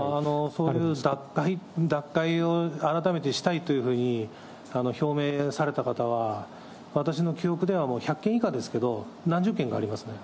そういう脱会、脱会を改めてしたいというふうに表明された方は、私の記憶ではもう１００件以下ですけど、何十件かありますね。